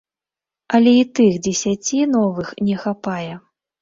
Але і тых дзесяці новых не хапае.